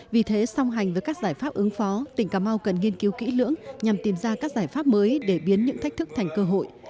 vì thế song hành với các giải pháp ứng phó tỉnh cà mau cần nghiên cứu kỹ lưỡng nhằm tìm ra các giải pháp mới để biến những thách thức thành cơ hội